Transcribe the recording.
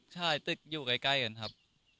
ใช่ตึกอยู่ใกล้กันครับ